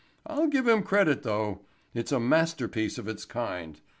I'll give him credit, though. It's a masterpiece of its kind.